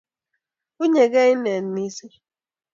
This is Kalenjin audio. Unyekei inet missing